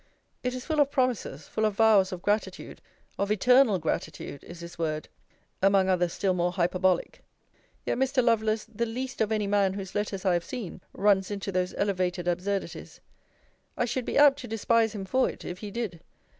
It is full of promises, full of vows of gratitude, of eternal gratitude, is his word, among others still more hyperbolic. Yet Mr. Lovelace, the least of any man whose letters I have seen, runs into those elevated absurdities. I should be apt to despise him for it, if he did.